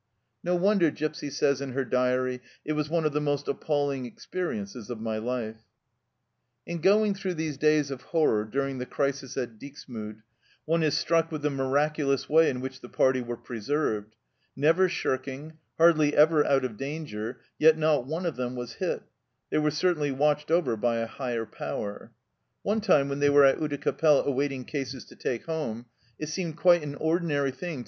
No wonder Gipsy says in her diary, " It was one of the most appalling experiences of my life !" In going through these days of horror during the crisis at Dixmude one is struck with the miraculous way in which the party were preserved. Never shirking, hardly ever out of danger, yet not one of them was hit ; they were certainly watched over by a Higher Power. One time, when they were at Oudecappelle awaiting cases to take home, it seemed quite an ordinary thing to M.